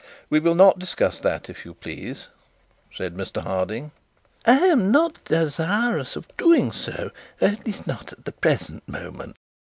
'We will not discuss that, if you please,' said Mr Harding. 'I am not desirous of doing so; at least, not at the present moment.